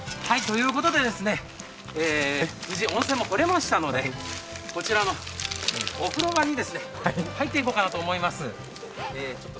無事温泉も掘れましたので、こちらのお風呂場に入っていこうかなと思います。